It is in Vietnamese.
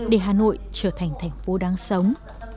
để hà nội trở thành thành phố đáng sống